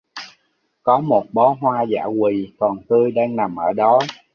Có một bó hoa dã quỳ còn tươi đang nằm ở đó